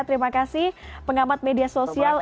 terima kasih pengamat media sosial